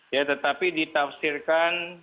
ya tetapi ditafsirkan